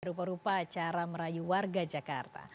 rupa rupa cara merayu warga jakarta